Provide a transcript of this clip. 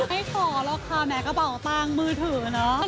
ให้ขอราคาแม่กระเป๋าต่างมือถือนะ